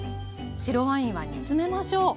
白ワインは煮詰めましょう。